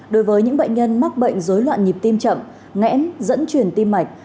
đối với những bệnh nhân mắc bệnh dối loạn nhịp tim chậm ngẽn dẫn truyền tim mạch